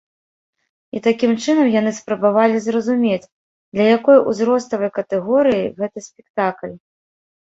І такім чынам яны спрабавалі зразумець, для якой узроставай катэгорыі гэты спектакль.